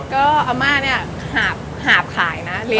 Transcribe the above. ก็อาม่าเนี่ยหาบขายนะ